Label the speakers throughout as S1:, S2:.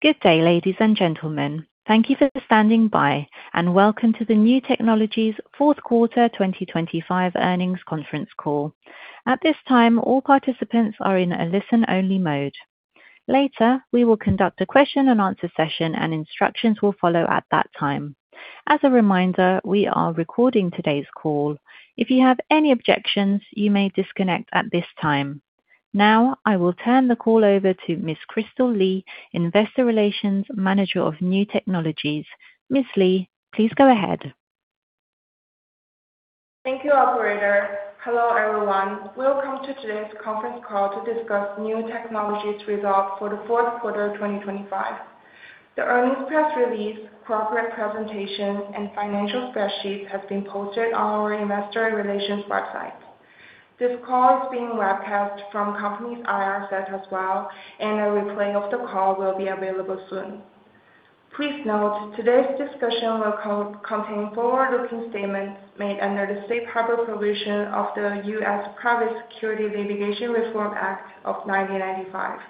S1: Good day, ladies and gentlemen. Thank you for standing by, and welcome to the Niu Technologies fourth quarter 2025 earnings conference call. At this time, all participants are in a listen-only mode. Later, we will conduct a question-and-answer session, and instructions will follow at that time. As a reminder, we are recording today's call. If you have any objections, you may disconnect at this time. Now I will turn the call over to Ms. Kristal Li, Investor Relations Manager of Niu Technologies. Ms. Li, please go ahead.
S2: Thank you, operator. Hello, everyone. Welcome to today's conference call to discuss Niu Technologies results for the fourth quarter of 2025. The earnings press release, corporate presentation and financial spreadsheet has been posted on our investor relations website. This call is being webcast from company's IR site as well, and a replay of the call will be available soon. Please note, today's discussion will contain forward-looking statements made under the safe harbor provision of the U.S. Private Securities Litigation Reform Act of 1995.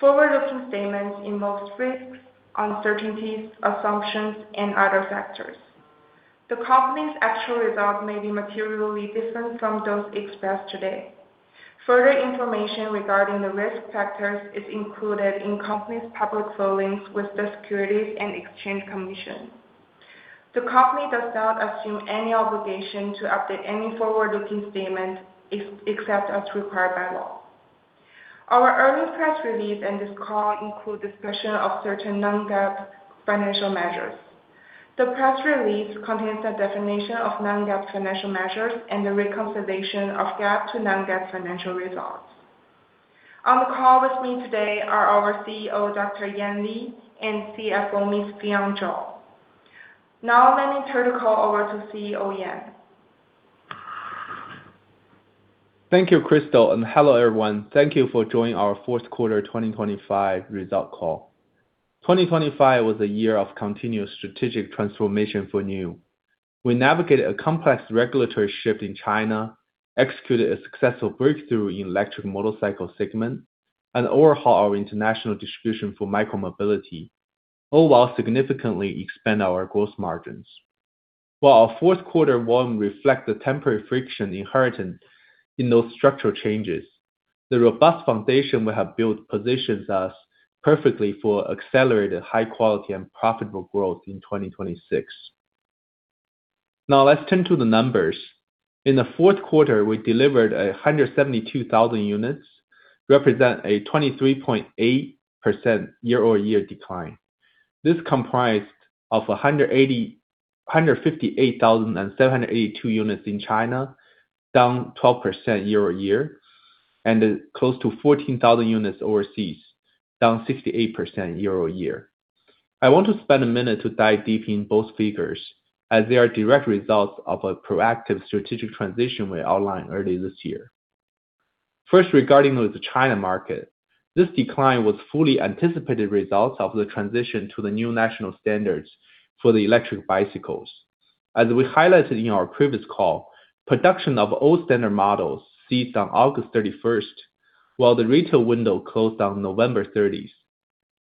S2: Forward-looking statements involve risks, uncertainties, assumptions, and other factors. The company's actual results may be materially different from those expressed today. Further information regarding the risk factors is included in company's public filings with the Securities and Exchange Commission. The company does not assume any obligation to update any forward-looking statements except as required by law. Our earnings press release and this call include discussion of certain non-GAAP financial measures. The press release contains a definition of non-GAAP financial measures and the reconciliation of GAAP to non-GAAP financial results. On the call with me today are our CEO, Dr. Yan Li, and CFO, Ms. Fion Zhou. Now let me turn the call over to CEO Yan.
S3: Thank you, Kristal, and hello, everyone. Thank you for joining our fourth quarter 2025 results call. 2025 was a year of continuous strategic transformation for Niu. We navigated a complex regulatory shift in China, executed a successful breakthrough in electric motorcycle segment, and overhaul our international distribution for micro-mobility, all while significantly expand our gross margins. While our fourth quarter results reflect the temporary friction inherent in those structural changes, the robust foundation we have built positions us perfectly for accelerated high-quality and profitable growth in 2026. Now let's turn to the numbers. In the fourth quarter, we delivered 172,000 units, represent a 23.8% YoY decline. This comprised of 158,782 units in China, down 12% YoY, and close to 14,000 units overseas, down 68% YoY. I want to spend a minute to dive deep in both figures, as they are direct results of a proactive strategic transition we outlined early this year. First, regarding with the China market. This decline was fully anticipated results of the transition to the new national standards for the electric bicycles. As we highlighted in our previous call, production of old standard models ceased on August 31st, while the retail window closed on November 30th.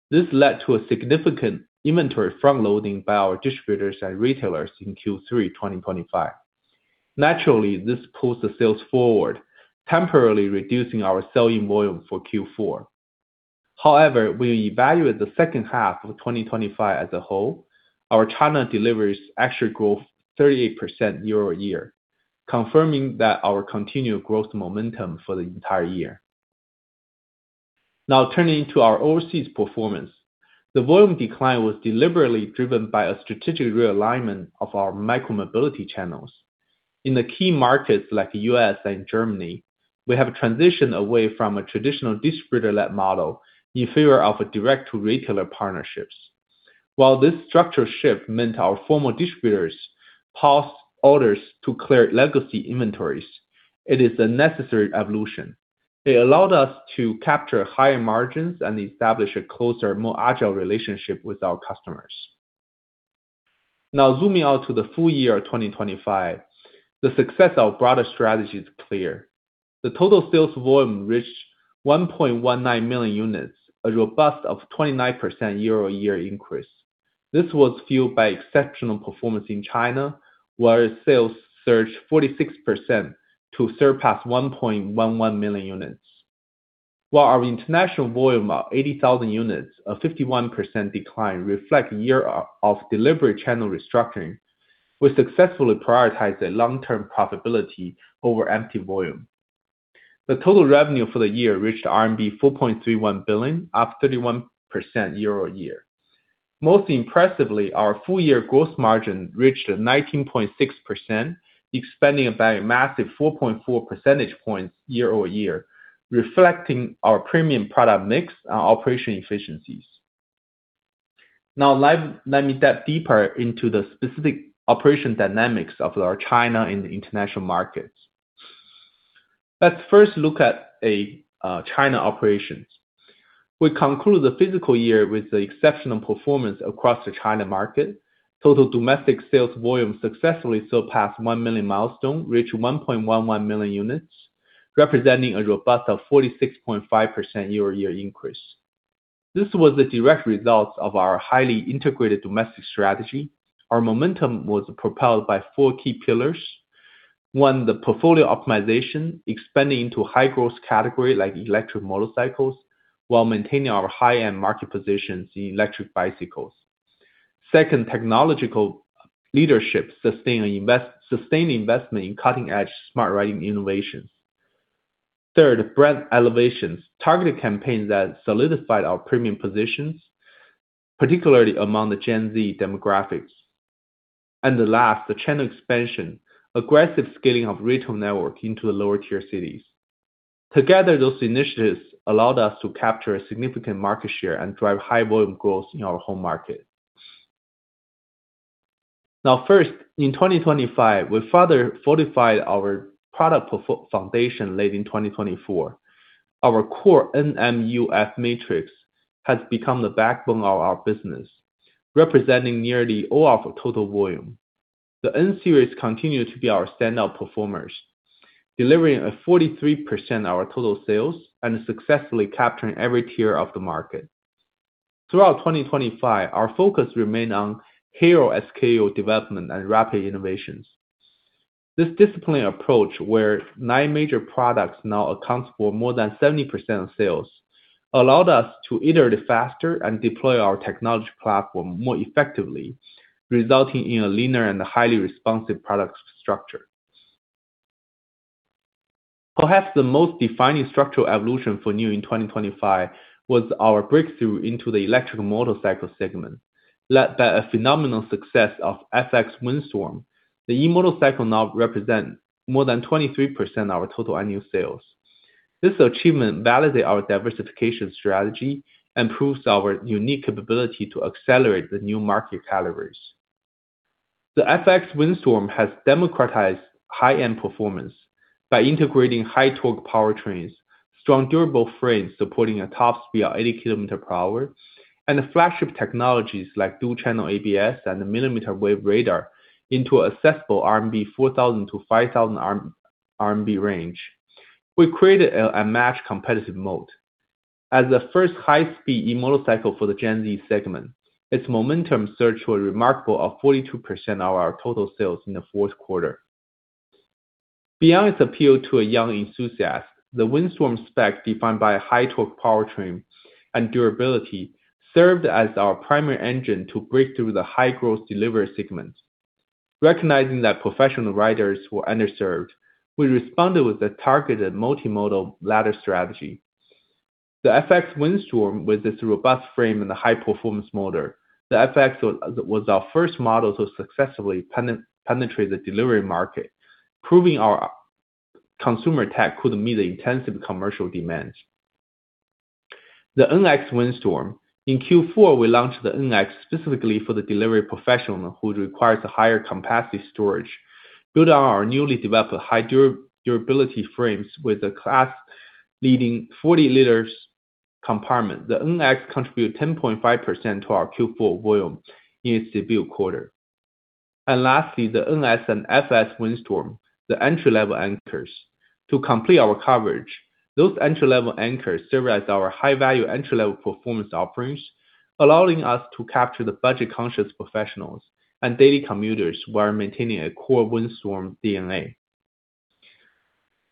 S3: This led to a significant inventory front-loading by our distributors and retailers in Q3 2025. Naturally, this pulls the sales forward, temporarily reducing our sell-in volume for Q4. However, we evaluate the second half of 2025 as a whole. Our China deliveries actually grow 38% YoY, confirming that our continued growth momentum for the entire year. Now turning to our overseas performance. The volume decline was deliberately driven by a strategic realignment of our micro-mobility channels. In the key markets like U.S. and Germany, we have transitioned away from a traditional distributor-led model in favor of direct-to-retailer partnerships. While this structural shift meant our former distributors paused orders to clear legacy inventories, it is a necessary evolution. It allowed us to capture higher margins and establish a closer, more agile relationship with our customers. Now zooming out to the full year 2025, the success of our broader strategy is clear. The total sales volume reached 1.19 million units, a robust 29% YoY increase. This was fueled by exceptional performance in China, where sales surged 46% to surpass 1.11 million units. While our international volume of 80,000 units, a 51% decline, reflects a year of deliberate channel restructuring, we successfully prioritized a long-term profitability over empty volume. The total revenue for the year reached RMB 4.31 billion, up 31% YoY. Most impressively, our full year gross margin reached 19.6%, expanding by a massive 4.4 percentage points YoY, reflecting our premium product mix and operational efficiencies. Now let me dive deeper into the specific operation dynamics of our China and international markets. Let's first look at China operations. We conclude the fiscal year with exceptional performance across the China market. Total domestic sales volume successfully surpassed the one million milestone, reached 1.11 million units, representing a robust 46.5% YoY increase. This was the direct result of our highly integrated domestic strategy. Our momentum was propelled by four key pillars. One, the portfolio optimization, expanding into high-growth category like electric motorcycles, while maintaining our high-end market positions in electric bicycles. Second, technological leadership, sustained investment in cutting-edge smart riding innovations. Third, brand elevations, targeted campaigns that solidified our premium positions, particularly among the Gen Z demographics. The last, the channel expansion, aggressive scaling of retail network into the lower-tier cities. Together, those initiatives allowed us to capture a significant market share and drive high volume growth in our home market. Now, first, in 2025, we further fortified our product foundation laid in 2024. Our core NMUF matrix has become the backbone of our business, representing nearly all of total volume. The N-Series continue to be our standout performers, delivering 43% of our total sales and successfully capturing every tier of the market. Throughout 2025, our focus remained on hero SKU development and rapid innovations. This disciplined approach, where nine major products now account for more than 70% of sales, allowed us to iterate faster and deploy our technology platform more effectively, resulting in a leaner and highly responsive product structure. Perhaps the most defining structural evolution for Niu in 2025 was our breakthrough into the electric motorcycle segment. Led by a phenomenal success of FX Windstorm, the e-motorcycle now represent more than 23% of our total annual sales. This achievement validates our diversification strategy and proves our unique capability to accelerate the new market categories. The FX Windstorm has democratized high-end performance by integrating high torque powertrains, strong durable frames supporting a top speed of 80 kph, and flagship technologies like dual-channel ABS and millimeter wave radar into accessible 4,000-5,000 RMB range. We created a mass competitive moat. As the first high-speed e-motorcycle for the Gen Z segment, its momentum surged to a remarkable 42% of our total sales in the fourth quarter. Beyond its appeal to a young enthusiast, the Windstorm spec defined by high torque powertrain and durability served as our primary engine to break through the high-growth delivery segment. Recognizing that professional riders were underserved, we responded with a targeted multimodal ladder strategy. The FX Windstorm, with its robust frame and high-performance motor, the FX was our first model to successfully penetrate the delivery market, proving our consumer tech could meet the intensive commercial demands. The NX Windstorm. In Q4, we launched the NX specifically for the delivery professional who requires a higher capacity storage. Built on our newly developed high durability frames with a class-leading 40-liter compartment, the NX contributed 10.5% to our Q4 volume in its debut quarter. Lastly, the NS and FS Windstorm, the entry-level anchors. To complete our coverage, those entry-level anchors serve as our high-value entry-level performance offerings, allowing us to capture the budget-conscious professionals and daily commuters while maintaining a core Windstorm DNA.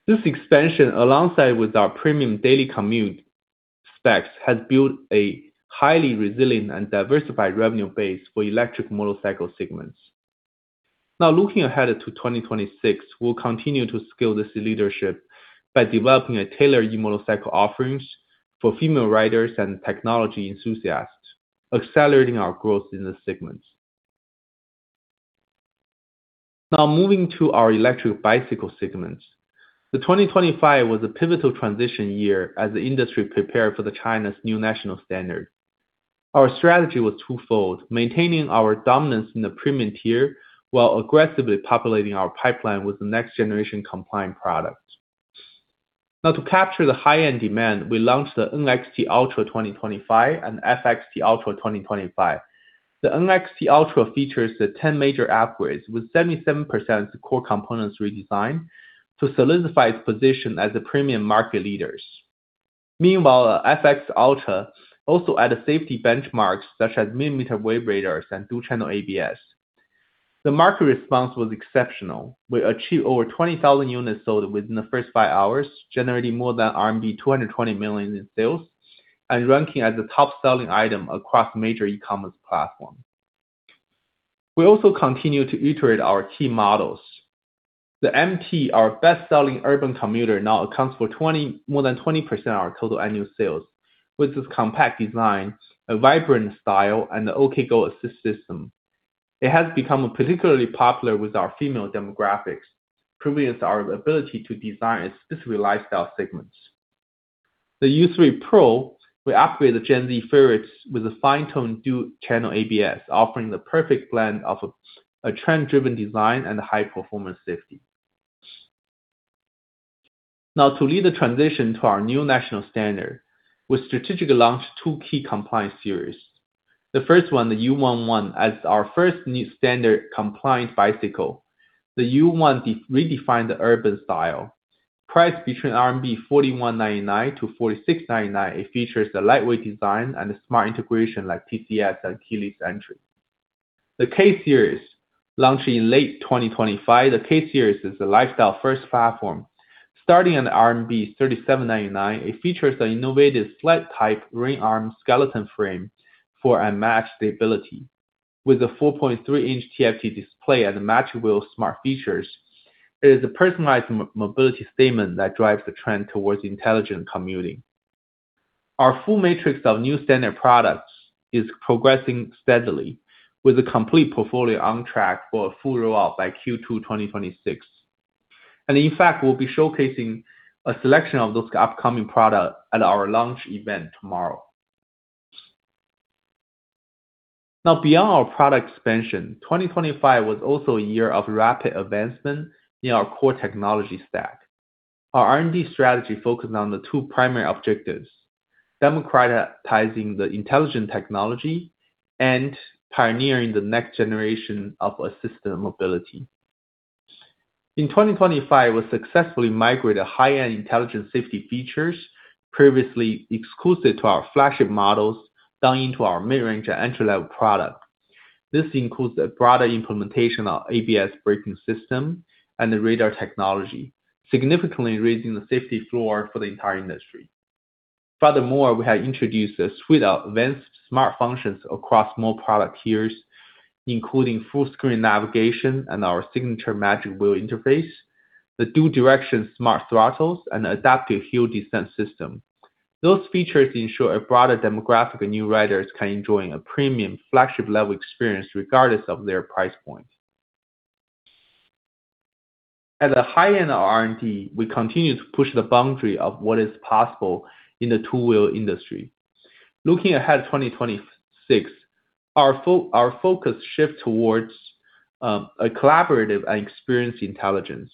S3: This expansion, alongside with our premium daily commute specs, has built a highly resilient and diversified revenue base for electric motorcycle segments. Now looking ahead to 2026, we'll continue to scale this leadership by developing a tailored e-motorcycle offerings for female riders and technology enthusiasts, accelerating our growth in this segment. Now moving to our electric bicycle segment. 2025 was a pivotal transition year as the industry prepared for China's new national standard. Our strategy was twofold, maintaining our dominance in the premium tier while aggressively populating our pipeline with the next generation compliant product. Now to capture the high-end demand, we launched the NXT Ultra 2025 and FXT Ultra 2025. The NXT Ultra features the 10 major upgrades, with 77% core components redesigned to solidify its position as the premium market leaders. Meanwhile, FXT Ultra also added safety benchmarks such as millimeter wave radars and dual-channel ABS. The market response was exceptional. We achieved over 20,000 units sold within the first five hours, generating more than RMB 220 million in sales and ranking as a top-selling item across major e-commerce platforms. We also continue to iterate our key models. The MT, our best-selling urban commuter, now accounts for more than 20% of our total annual sales. With its compact design, a vibrant style, and the OkGo assist system, it has become particularly popular with our female demographics, proving our ability to design specific lifestyle segments. The U3 Pro, we upgraded Gen Z favorites with a fine-tuned dual-channel ABS, offering the perfect blend of a trend-driven design and high-performance safety. Now to lead the transition to our new national standard, we strategically launched two key compliance series. The first one, the U11, as our first new standard compliant bicycle. The U11 redefined the urban style. Priced between 4,199-4,699 RMB, it features a lightweight design and a smart integration like TCS and keyless entry. The K-series, launching in late 2025, is the lifestyle-first platform. Starting at RMB 3,799, it features the innovative sled-type ring arm skeleton frame for unmatched stability. With a 4.3-inch TFT display and Magic Wheel smart features, it is a personalized mobility statement that drives the trend towards intelligent commuting. Our full matrix of new standard products is progressing steadily, with a complete portfolio on track for a full rollout by Q2 2026. In fact, we'll be showcasing a selection of those upcoming products at our launch event tomorrow. Now, beyond our product expansion, 2025 was also a year of rapid advancement in our core technology stack. Our R&D strategy focused on the two primary objectives, democratizing the intelligent technology and pioneering the next generation of assisted mobility. In 2025, we successfully migrated high-end intelligent safety features previously exclusive to our flagship models down into our mid-range and entry-level products. This includes a broader implementation of ABS braking system and the radar technology, significantly raising the safety floor for the entire industry. Furthermore, we have introduced a suite of advanced smart functions across more product tiers, including full screen navigation and our signature Magic Wheel interface, the dual direction smart throttles, and adaptive hill descent system. Those features ensure a broader demographic of new riders can enjoy a premium flagship level experience regardless of their price point. At the high end of R&D, we continue to push the boundary of what is possible in the two-wheel industry. Looking ahead to 2026, our focus shifts towards a collaborative and experiential intelligence.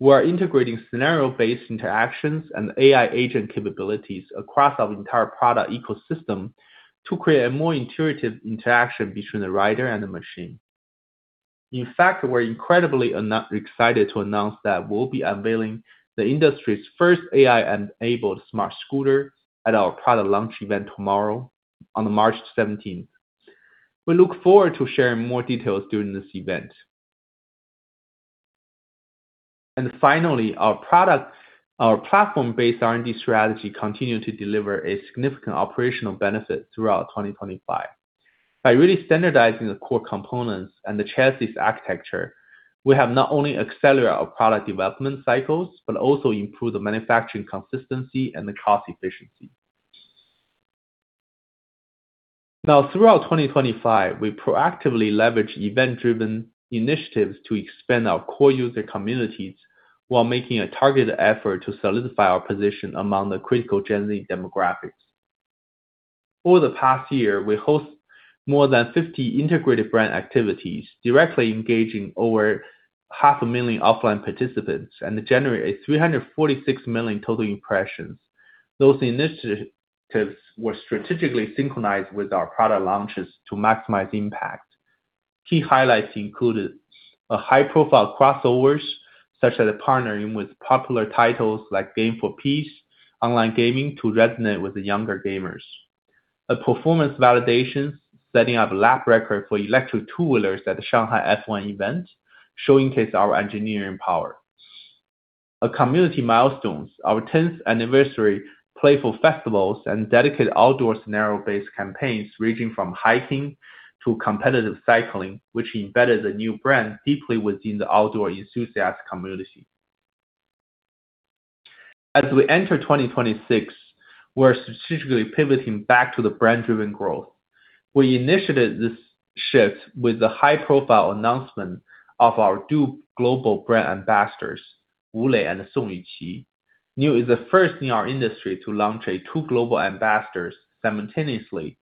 S3: We are integrating scenario-based interactions and AI agent capabilities across our entire product ecosystem to create a more intuitive interaction between the rider and the machine. In fact, we're incredibly excited to announce that we'll be unveiling the industry's first AI-enabled smart scooter at our product launch event tomorrow on March 17th. We look forward to sharing more details during this event. Our platform-based R&D strategy continued to deliver a significant operational benefit throughout 2025. By really standardizing the core components and the chassis architecture, we have not only accelerated our product development cycles, but also improved the manufacturing consistency and the cost efficiency. Now, throughout 2025, we proactively leveraged event-driven initiatives to expand our core user communities while making a targeted effort to solidify our position among the critical Gen Z demographics. Over the past year, we host more than 50 integrated brand activities, directly engaging over 500,000 offline participants, and generate 346 million total impressions. Those initiatives were strategically synchronized with our product launches to maximize impact. Key highlights included a high-profile crossovers, such as partnering with popular titles like Game for Peace, online gaming to resonate with the younger gamers. A performance validation, setting up a lap record for electric two-wheelers at the Shanghai F1 event, showcasing our engineering power. A community milestones, our tenth anniversary playful festivals, and dedicated outdoor scenario-based campaigns ranging from hiking to competitive cycling, which embedded the new brand deeply within the outdoor enthusiast community. As we enter 2026, we're strategically pivoting back to the brand-driven growth. We initiated this shift with the high-profile announcement of our two global brand ambassadors, Wu Lei and Song Yuqi. NIU is the first in our industry to launch a two global ambassadors simultaneously,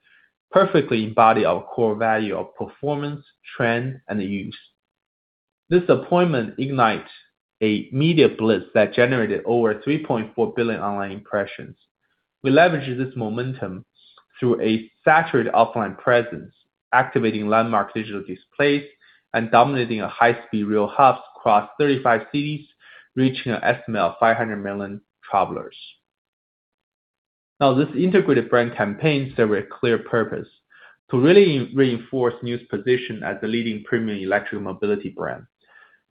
S3: perfectly embody our core value of performance, trend, and use. This appointment ignite a media blitz that generated over 3.4 billion online impressions. We leveraged this momentum through a saturated offline presence, activating landmark digital displays, and dominating a high-speed rail hubs across 35 cities, reaching an estimate of 500 million travelers. Now, this integrated brand campaign serve a clear purpose, to really reinforce NIU's position as the leading premium electric mobility brand.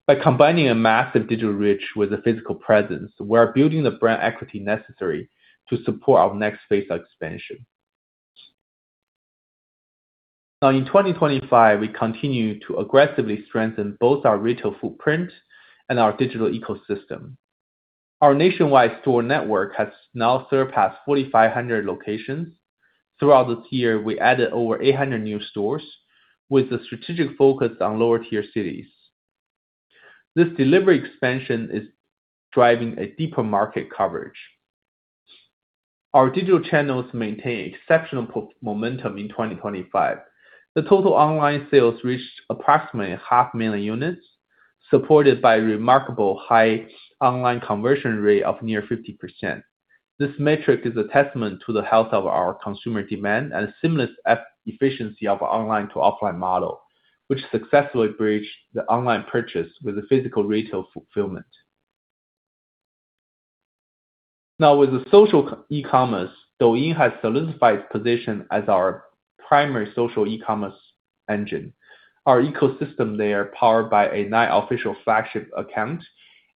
S3: By combining a massive digital reach with a physical presence, we're building the brand equity necessary to support our next phase of expansion. Now, in 2025, we continue to aggressively strengthen both our retail footprint and our digital ecosystem. Our nationwide store network has now surpassed 4,500 locations. Throughout this year, we added over 800 new stores with a strategic focus on lower tier cities. This deliberate expansion is driving a deeper market coverage. Our digital channels maintained exceptional momentum in 2025. The total online sales reached approximately 500,000 units, supported by remarkable high online conversion rate of near 50%. This metric is a testament to the health of our consumer demand and seamless efficiency of online to offline model, which successfully bridged the online purchase with the physical retail fulfillment. Now, with the social e-commerce, Douyin has solidified its position as our primary social e-commerce engine. Our ecosystem there, powered by nine official flagship accounts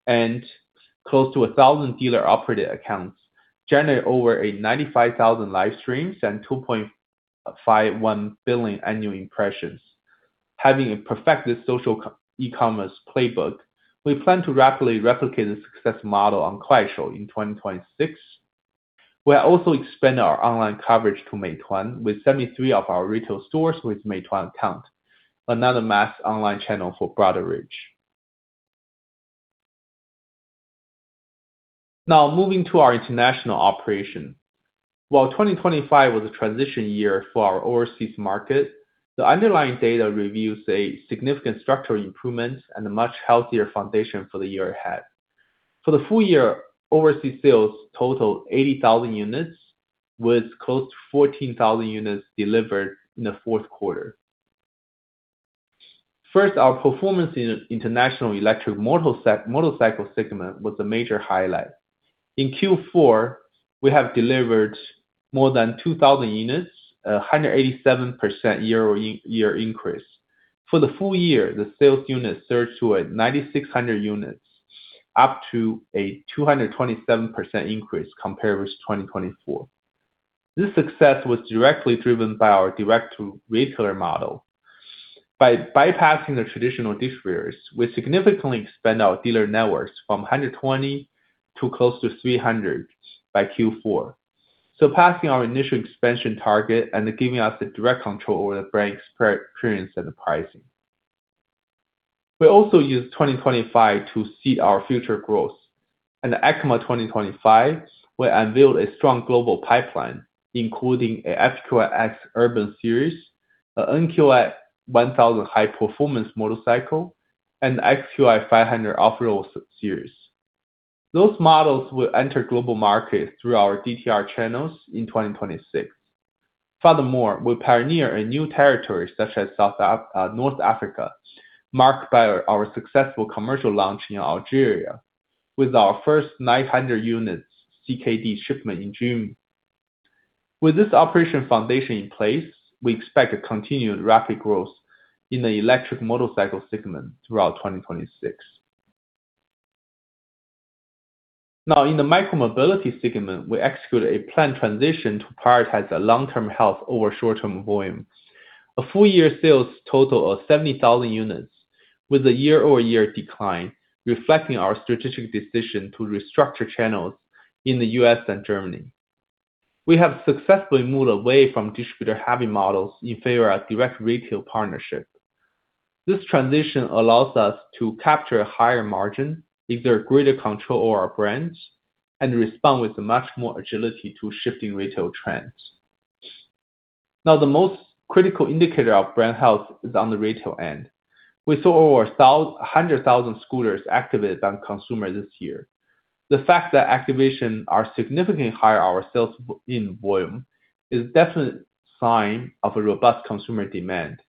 S3: and close to 1,000 dealer-operated accounts, generates over 95,000 live streams and 2.51 billion annual impressions. Having a perfected social e-commerce playbook, we plan to rapidly replicate the success model on Kuaishou in 2026. We are also expanding our online coverage to Meituan with 73 of our retail stores with Meituan accounts, another mass online channel for broader reach. Now, moving to our international operation. While 2025 was a transition year for our overseas market, the underlying data reveals a significant structural improvement and a much healthier foundation for the year ahead. For the full year, overseas sales totaled 80,000 units, with close to 14,000 units delivered in the fourth quarter. First, our performance in international electric motorcycle segment was a major highlight. In Q4, we have delivered more than 2,000 units, a 187% YoY increase. For the full year, the sales units surged to 9,600 units, up 227% compared with 2024. This success was directly driven by our direct-to-retailer model. By bypassing the traditional distributors, we significantly expand our dealer networks from 120 to close to 300 by Q4, surpassing our initial expansion target and giving us the direct control over the brand experience and the pricing. We also used 2025 to seed our future growth. In EICMA 2025, we unveiled a strong global pipeline, including a FQiX Urban Series, a NQi 1000 High Performance Motorcycle, and XQi 500 Off-Road Series. Those models will enter global markets through our DTR channels in 2026. Furthermore, we pioneer a new territory such as North Africa, marked by our successful commercial launch in Algeria, with our first 900 units CKD shipment in June. With this operation foundation in place, we expect a continued rapid growth in the electric motorcycle segment throughout 2026. Now, in the micromobility segment, we execute a planned transition to prioritize the long-term health over short-term volume. A full-year sales total of 70,000 units with a YoY decline, reflecting our strategic decision to restructure channels in the U.S. and Germany. We have successfully moved away from distributor-heavy models in favor of direct retail partnership. This transition allows us to capture a higher margin, exert greater control over our brands, and respond with much more agility to shifting retail trends. Now, the most critical indicator of brand health is on the retail end. We saw over 100,000 scooters activated in consumer this year. The fact that activation are significantly higher than our sales in volume is a definite sign of a robust consumer demand.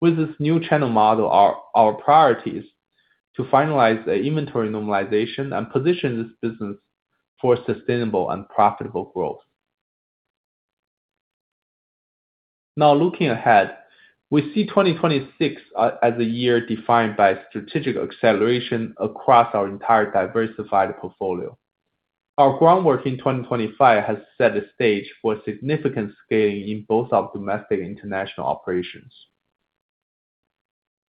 S3: With this new channel model, our priority is to finalize the inventory normalization and position this business for sustainable and profitable growth. Now, looking ahead, we see 2026 as a year defined by strategic acceleration across our entire diversified portfolio. Our groundwork in 2025 has set the stage for significant scaling in both our domestic and international operations.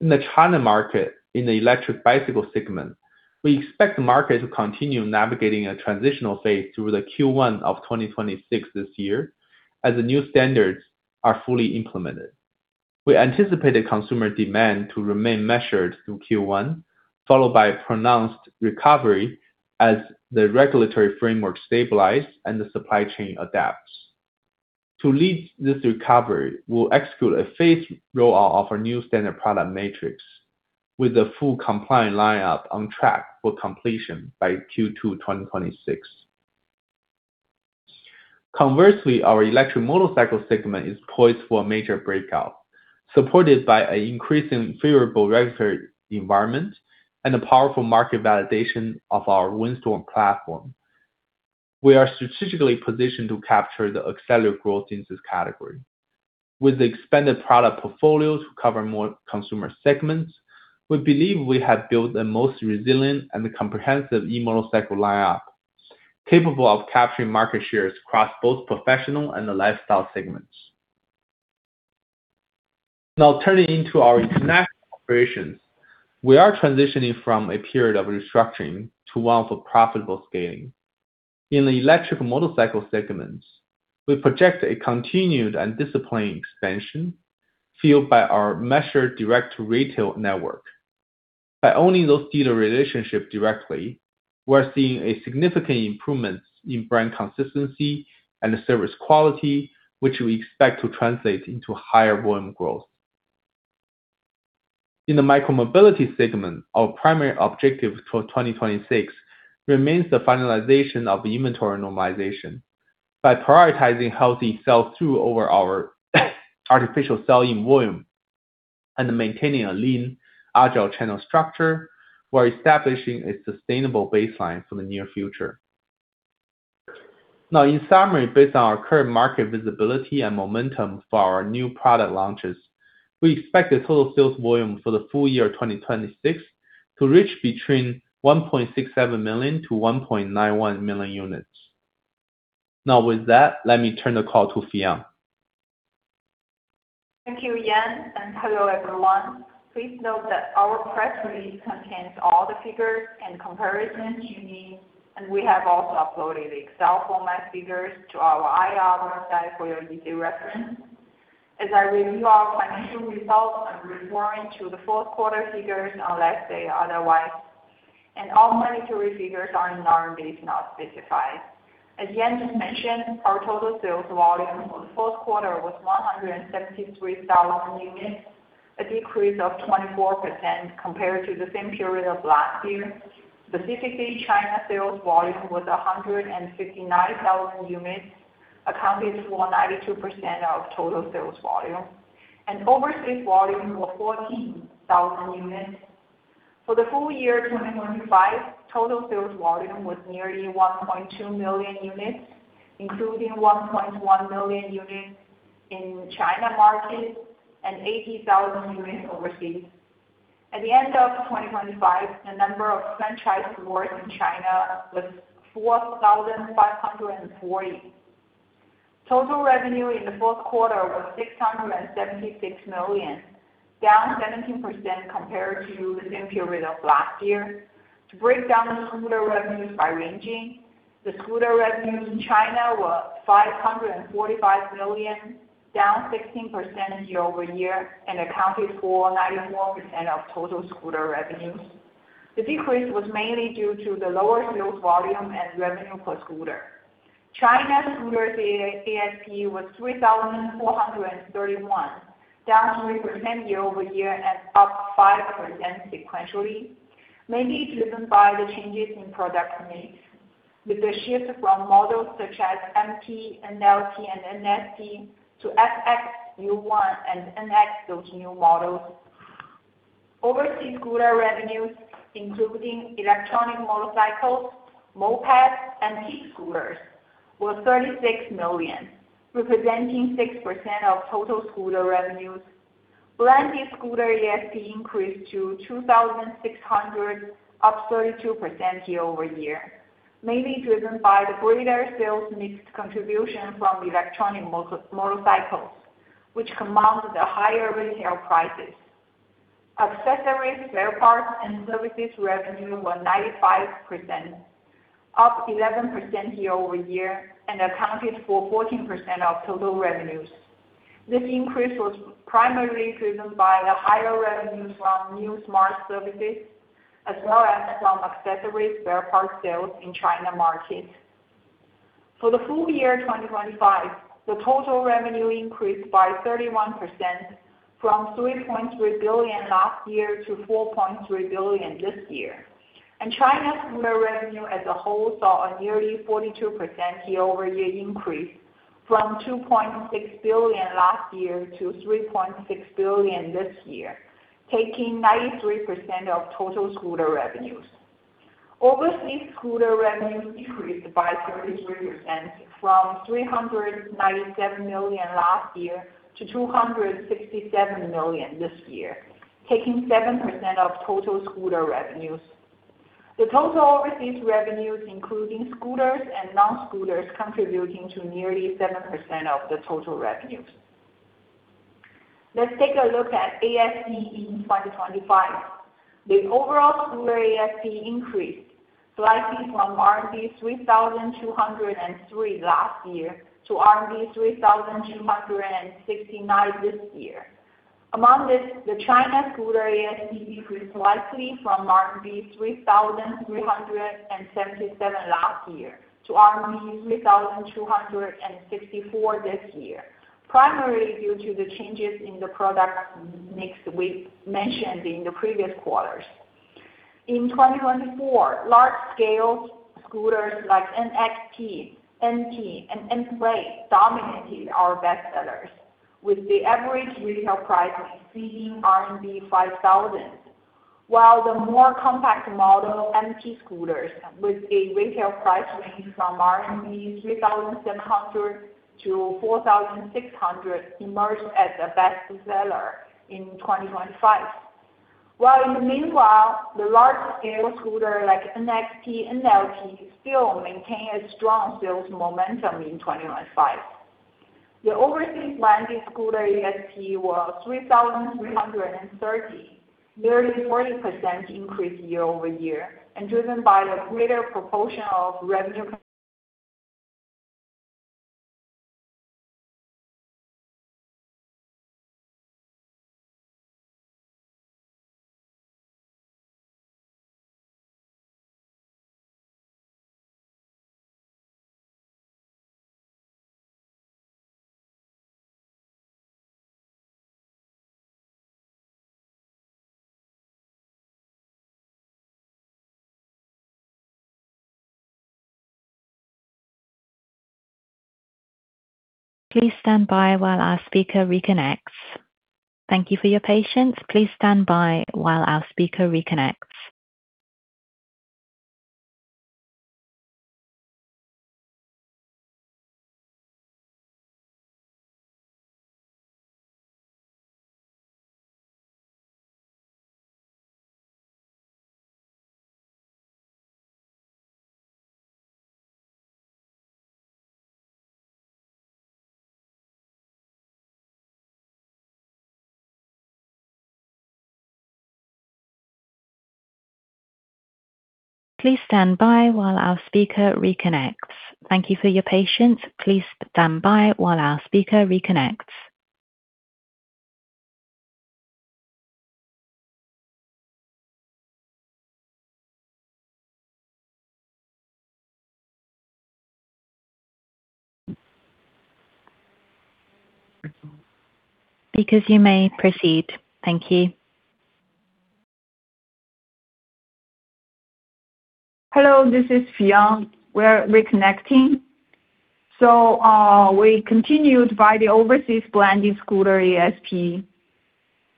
S3: In the China market, in the electric bicycle segment, we expect the market to continue navigating a transitional phase through the Q1 of 2026 this year as the new standards are fully implemented. We anticipate the consumer demand to remain measured through Q1, followed by a pronounced recovery as the regulatory framework stabilizes and the supply chain adapts. To lead this recovery, we'll execute a phased rollout of our new standard product matrix, with the full compliant lineup on track for completion by Q2 2026. Conversely, our electric motorcycle segment is poised for a major breakout, supported by an increasingly favorable regulatory environment and a powerful market validation of our Windstorm platform. We are strategically positioned to capture the accelerated growth in this category. With expanded product portfolios to cover more consumer segments, we believe we have built the most resilient and comprehensive e-motorcycle lineup, capable of capturing market shares across both professional and the lifestyle segments. Now, turning to our international operations, we are transitioning from a period of restructuring to one for profitable scaling. In the electric motorcycle segments, we project a continued and disciplined expansion fueled by our measured direct-to-retail network. By owning those dealer relationships directly, we're seeing a significant improvement in brand consistency and service quality, which we expect to translate into higher volume growth. In the micro-mobility segment, our primary objective for 2026 remains the finalization of inventory normalization. By prioritizing healthy sell-through over our artificial sell-in volume and maintaining a lean, agile channel structure, we're establishing a sustainable baseline for the near future. Now, in summary, based on our current market visibility and momentum for our new product launches, we expect the total sales volume for the full year 2026 to reach between 1.67 million to 1.91 million units. Now with that, let me turn the call to Fion.
S4: Thank you, Yan, and hello, everyone. Please note that our press release contains all the figures and comparisons you need, and we have also uploaded the Excel format figures to our IR website for your easy reference. As I review our financial results, I'm referring to the fourth quarter figures unless stated otherwise, and all monetary figures are in RMB if not specified. As Yan just mentioned, our total sales volume for the fourth quarter was 173,000 units, a decrease of 24% compared to the same period of last year. Specifically, China sales volume was 159,000 units, accounting for 92% of total sales volume, and overseas volume was 14,000 units. For the full year 2025, total sales volume was nearly 1.2 million units, including 1.1 million units in China market and 80,000 units overseas. At the end of 2025, the number of franchise stores in China was 4,540. Total revenue in the fourth quarter was 676 million, down 17% compared to the same period of last year. To break down the scooter revenues by region, the scooter revenues in China were 545 million, down 16% YoY and accounted for 91% of total scooter revenues. The decrease was mainly due to the lower sales volume and revenue per scooter. China scooter ASP was 3,431, down 3% YoY and up 5% sequentially, mainly driven by the changes in product mix. With the shift from models such as MT, NLT, and NGT to FX, U1, and NX, those new models. Overseas scooter revenues, including electric motorcycles, mopeds, and kick scooters, were 36 million, representing 6% of total scooter revenues. Branded scooter ASP increased to 2,600, up 32% YoY, mainly driven by the greater sales mix contribution from electric motorcycles, which commanded the higher retail prices. Accessories, spare parts, and services revenue were 95 million, up 11% YoY and accounted for 14% of total revenues. This increase was primarily driven by the higher revenues from new smart services as well as from accessories spare parts sales in China market. For the full year 2025, the total revenue increased by 31% from 3.3 billion last year to 4.3 billion this year. China scooter revenue as a whole saw a nearly 42%YoY increase from 2.6 billion last year to 3.6 billion this year, taking 93% of total scooter revenues. Overseas scooter revenues decreased by 33% from 397 million last year to 267 million this year, taking 7% of total scooter revenues. The total overseas revenues, including scooters and non-scooters, contributing to nearly 7% of the total revenues. Let's take a look at ASP in 2025. The overall scooter ASP increased slightly from RMB 3,203 last year to RMB 3,269 this year. Among this, the China scooter ASP decreased slightly from RMB 3,377 last year to RMB 3,264 this year, primarily due to the changes in the product mix we mentioned in the previous quarters. In 2024, large-scale scooters like NXT, NT, and N-Play dominated our bestsellers, with the average retail price exceeding RMB 5,000, while the more compact model MT scooters, with a retail price range from 3,700-4,600 RMB, emerged as the best seller in 2025. While in the meanwhile, the large-scale scooter like NXT, NLT still maintain a strong sales momentum in 2025. The overseas branded scooter ASP was 3,330, nearly 40% increase YoY, and driven by the greater proportion of revenue cont-
S1: Please stand by while our speaker reconnects. Thank you for your patience. Please stand by while our speaker reconnects. Please stand by while our speaker reconnects. Thank you for your patience. Please stand by while our speaker reconnects. Speakers, you may proceed. Thank you.
S4: Hello, this is Fion. We're reconnecting. We continued by the overseas blended scooter ASP.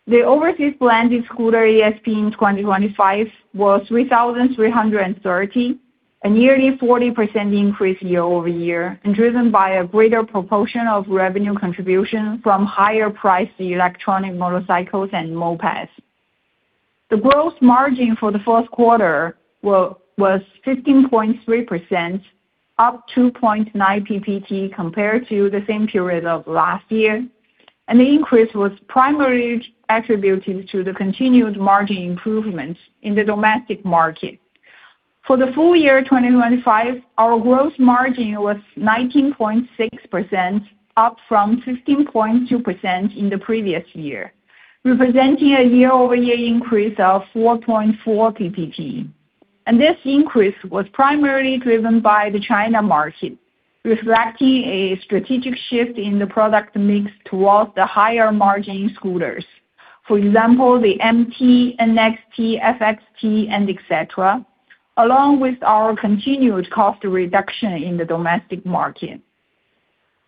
S4: The overseas blended scooter ASP in 2025 was 3,330, a nearly 40% increase YoY, and driven by a greater proportion of revenue contribution from higher-priced electric motorcycles and mopeds. The gross margin for the fourth quarter was 15.3%, up 2.9 PPT compared to the same period of last year. The increase was primarily attributed to the continued margin improvements in the domestic market. For the full year 2025, our gross margin was 19.6%, up from 15.2% in the previous year, representing a YoY increase of 4.4 PPT. This increase was primarily driven by the China market, reflecting a strategic shift in the product mix towards the higher margin scooters. For example, the MT, NXT, FXT, and et cetera, along with our continued cost reduction in the domestic market.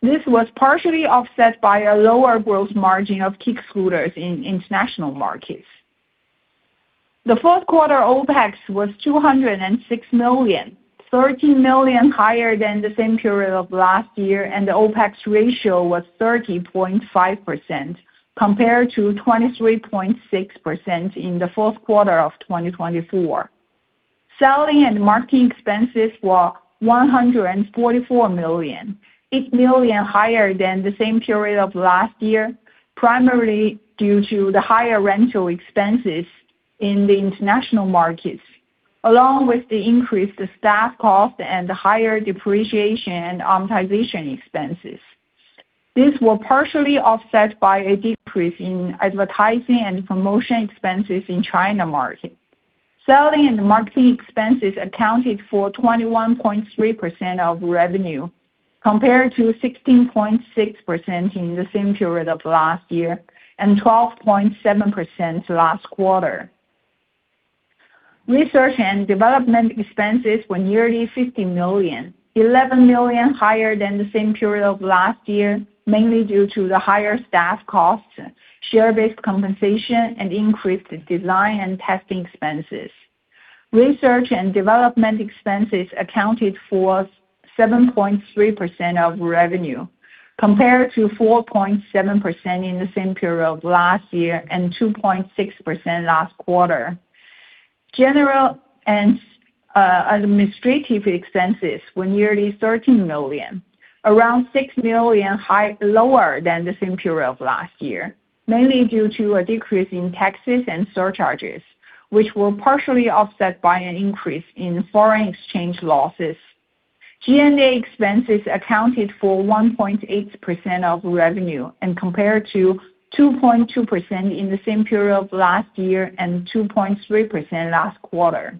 S4: This was partially offset by a lower growth margin of kick scooters in international markets. The fourth quarter OpEx was 206 million, 13 million higher than the same period of last year, and the OpEx ratio was 30.5%, compared to 23.6% in the fourth quarter of 2024. Selling and marketing expenses were 144 million, 8 million higher than the same period of last year, primarily due to the higher rental expenses in the international markets, along with the increased staff cost and higher depreciation and amortization expenses. This was partially offset by a decrease in advertising and promotion expenses in China market. Selling and marketing expenses accounted for 21.3% of revenue, compared to 16.6% in the same period of last year, and 12.7% last quarter. Research and development expenses were nearly 50 million, 11 million higher than the same period of last year, mainly due to the higher staff costs, share-based compensation, and increased design and testing expenses. Research and development expenses accounted for 7.3% of revenue, compared to 4.7% in the same period of last year, and 2.6% last quarter. General and administrative expenses were nearly 13 million, around 6 million lower than the same period of last year, mainly due to a decrease in taxes and surcharges, which were partially offset by an increase in foreign exchange losses. G&A expenses accounted for 1.8% of revenue and compared to 2.2% in the same period of last year and 2.3% last quarter.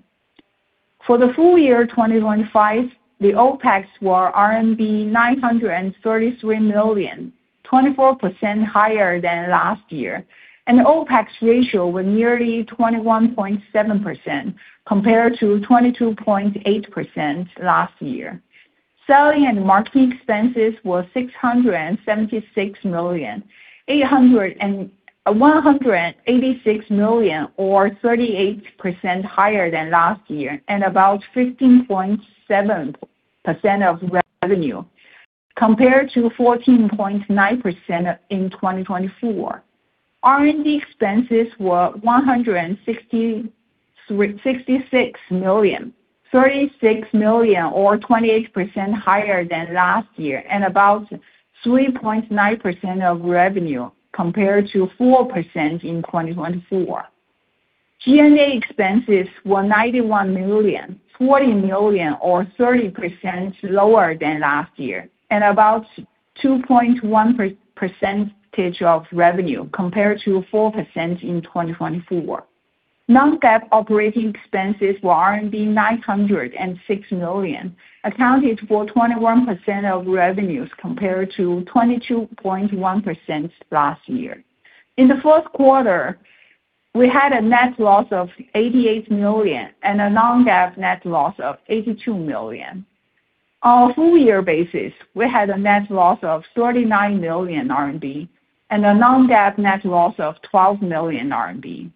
S4: For the full year 2025, the OpEx were RMB 933 million, 24% higher than last year, and OpEx ratio were nearly 21.7% compared to 22.8% last year. Selling and marketing expenses were 676 million, 186 million or 38% higher than last year and about 15.7% of revenue, compared to 14.9% in 2024. R&D expenses were 166 million, 36 million or 28% higher than last year and about 3.9% of revenue, compared to 4% in 2024. G&A expenses were 91 million, 40 million or 30% lower than last year, and about 2.1% of revenue, compared to 4% in 2024. Non-GAAP operating expenses were RMB 906 million, accounted for 21% of revenues compared to 22.1% last year. In the fourth quarter, we had a net loss of 88 million and a non-GAAP net loss of 82 million. On a full year basis, we had a net loss of 39 million RMB and a non-GAAP net loss of 12 million RMB.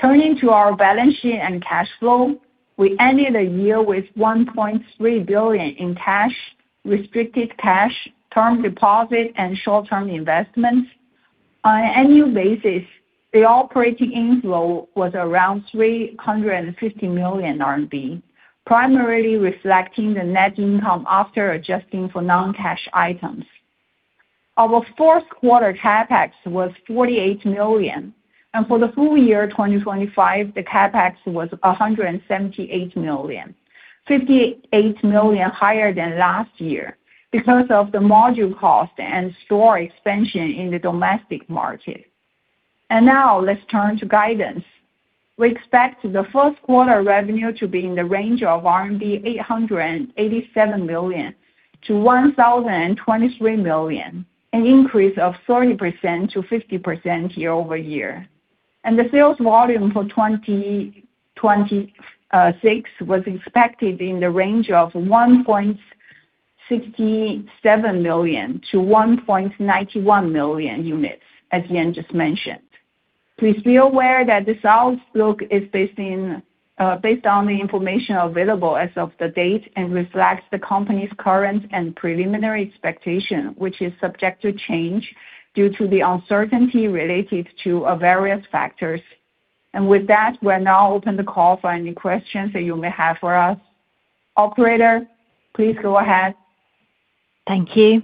S4: Turning to our balance sheet and cash flow. We ended the year with 1.3 billion in cash, restricted cash, term deposit and short-term investments. On an annual basis, the operating inflow was around 350 million RMB, primarily reflecting the net income after adjusting for non-cash items. Our fourth quarter CapEx was 48 million, and for the full year 2025, the CapEx was 178 million. 58 million higher than last year because of the module cost and store expansion in the domestic market. Now let's turn to guidance. We expect the first quarter revenue to be in the range of 887 million-1,023 million RMB, an increase of 30%-50% YoY. The sales volume for 2026 was expected in the range of 1.67 million-1.91 million units, as Yan just mentioned. Please be aware that the sales outlook is based on the information available as of today and reflects the company's current and preliminary expectation, which is subject to change due to the uncertainty related to various factors. With that, we'll now open the call for any questions that you may have for us. Operator, please go ahead.
S1: Thank you.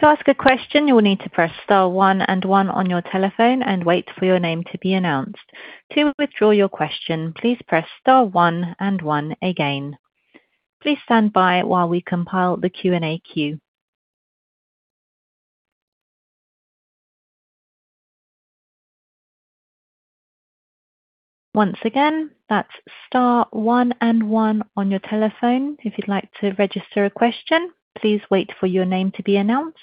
S1: To ask a question you will need to press star one and one on your telephone and wait for your name to be announced. To withdraw your question, please press star one and one again. Please stand by while we compile the Q&A queue. Once again, that's star one and one on your telephone if you'd like to register a question. Please wait for your name to be announced.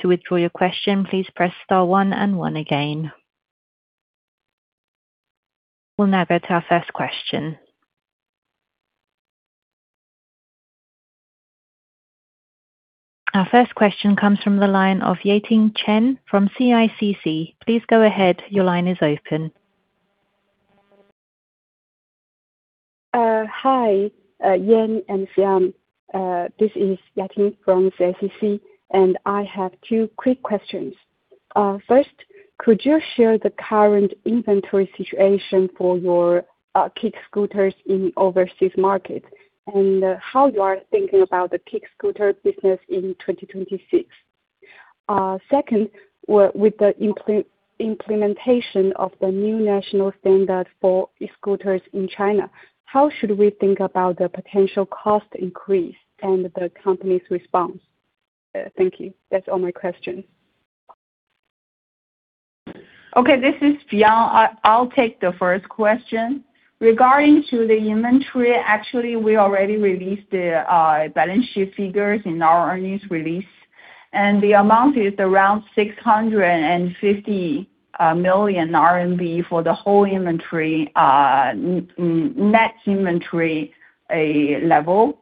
S1: To withdraw your question, please press star one and one again. We'll now go to our first question. Our first question comes from the line of Yating Chen from CICC. Please go ahead. Your line is open.
S5: Hi, Yan and Fion. This is Yating from CICC, and I have two quick questions. First, could you share the current inventory situation for your kick scooters in overseas markets? And how you are thinking about the kick scooter business in 2026? Second, with the implementation of the new national standard for e-scooters in China, how should we think about the potential cost increase and the company's response? Thank you. That's all my questions.
S4: Okay. This is Fion. I'll take the first question. Regarding the inventory, actually, we already released the balance sheet figures in our earnings release, and the amount is around 650 million RMB for the whole inventory, net inventory level.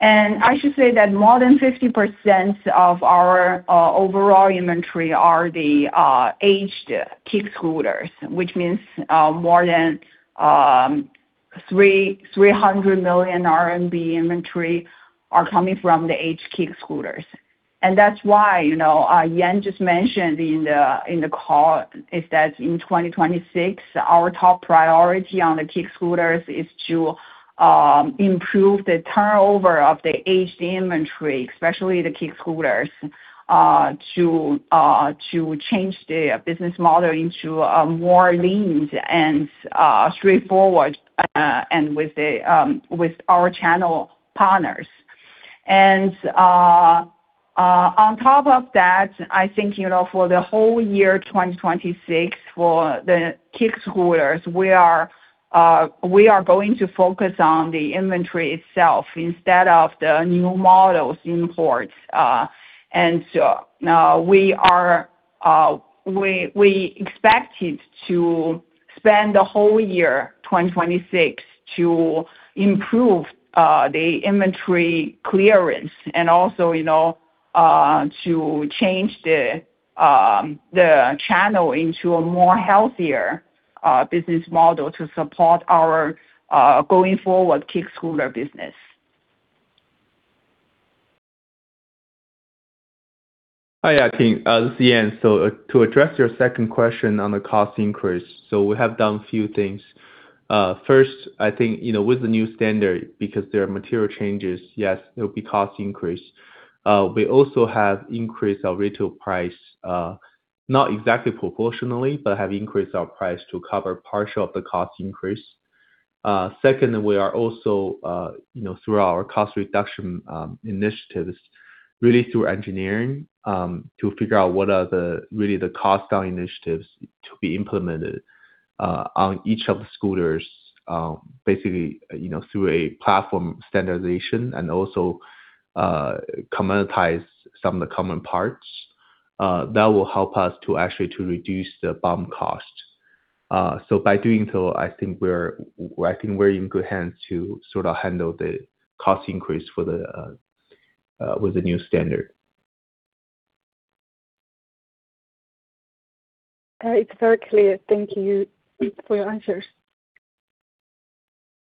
S4: I should say that more than 50% of our overall inventory are the aged kick scooters, which means more than 300 million RMB inventory are coming from the aged kick scooters. That's why, you know, Yan just mentioned in the call is that in 2026, our top priority on the kick scooters is to improve the turnover of the aged inventory, especially the kick scooters, to change the business model into a more lean and straightforward and with our channel partners. On top of that, I think, you know, for the whole year, 2026, for the kick scooters, we are going to focus on the inventory itself instead of the new models imports. Now we are expected to spend the whole year, 2026, to improve the inventory clearance and also, you know, to change the channel into a more healthier business model to support our going forward kick scooter business.
S3: Hi, Yating. This is Yan. To address your second question on the cost increase. We have done a few things. First, I think, you know, with the new standard, because there are material changes, yes, there will be cost increase. We also have increased our retail price, not exactly proportionally, but have increased our price to cover part of the cost increase. Second, we are also, you know, through our cost reduction initiatives, really through engineering, to figure out what are really the cost down initiatives to be implemented on each of the scooters, basically, you know, through a platform standardization and also commoditize some of the common parts. That will help us to actually reduce the BOM cost. By doing so, I think we're in good hands to sort of handle the cost increase with the new standard.
S5: It's very clear. Thank you for your answers.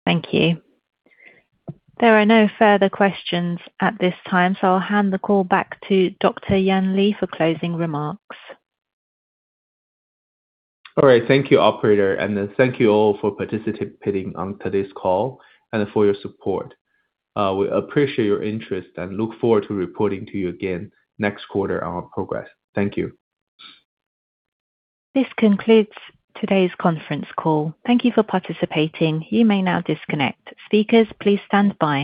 S1: Thank you. There are no further questions at this time, so I'll hand the call back to Dr. Yan Li for closing remarks.
S3: All right. Thank you, operator. Thank you all for participating on today's call and for your support. We appreciate your interest and look forward to reporting to you again next quarter on our progress. Thank you.
S1: This concludes today's conference call. Thank you for participating. You may now disconnect. Speakers, please stand by.